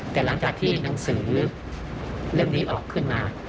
แต่หลังจากที่หนังสือเรื่องนี้ออกขึ้นมา